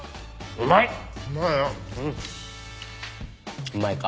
うまいか？